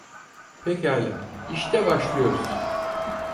Pekâlâ, işte başlıyoruz.